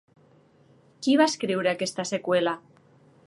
Qui va escriure aquesta seqüela?